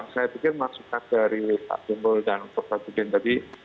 saya pikir masukkan dari bang timbul dan prof chandra tadi